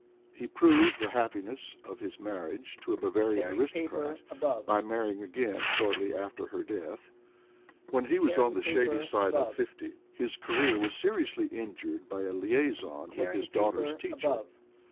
He proved the happiness of his marriage to a Bavarian aristocrat by marrying again shortly after her death. When he was on the shady side of fifty his career was seriously injured by a liaison with his daughter's teacher.